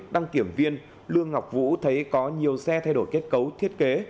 đăng kiểm viên lương ngọc vũ thấy có nhiều xe thay đổi kết cấu thiết kế